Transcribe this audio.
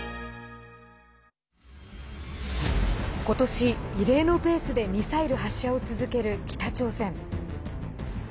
ことし、異例のペースでミサイル発射を続ける北朝鮮。